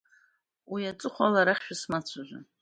Уи аҵыхәала арахь шәысмацәажәан.